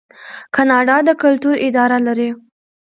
کاناډا د کلتور اداره لري.